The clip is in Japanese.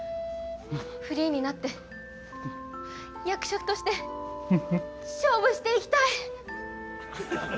フリーになって役者として勝負していきたい」。